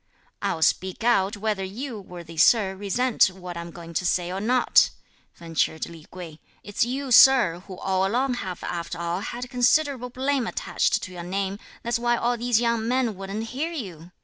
"I'll speak out, whether you, worthy sir, resent what I'm going to say or not," ventured Li Kuei. "It's you, sir, who all along have after all had considerable blame attached to your name; that's why all these young men wouldn't hear you!